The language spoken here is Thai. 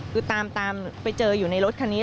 คือตามไปเจออยู่ในรถคันนี้